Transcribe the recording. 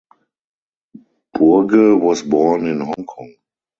Burge was born in Hong Kong.